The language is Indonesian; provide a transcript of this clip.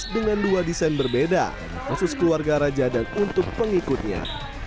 dengan dua desain berbeda khusus keluarga raja dan untuk pengikutnya